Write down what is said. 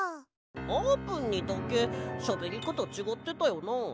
あーぷんにだけしゃべりかたちがってたよな？